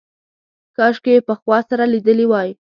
کاشکې یې پخوا سره لیدلي وای.